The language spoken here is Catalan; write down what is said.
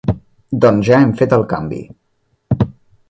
Doncs ja hem fet el canvi.